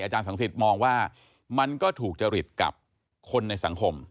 อาจารย์ศังศิษย์มองว่ามันก็ถูกจะหริดกับคนในสังคม